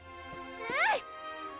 うん！